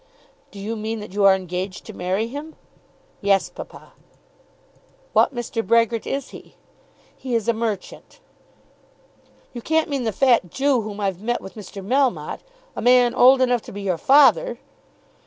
"Do you mean that you are engaged to marry him?" "Yes, papa." "What Mr. Brehgert is he?" "He is a merchant." "You can't mean the fat Jew whom I've met with Mr. Melmotte; a man old enough to be your father!"